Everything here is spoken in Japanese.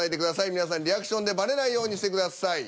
皆さんリアクションでバレないようにしてください。